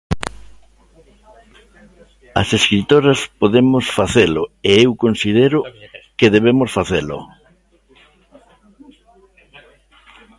As escritoras podemos facelo e eu considero que debemos facelo.